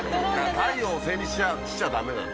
太陽を背にしちゃダメなのよ。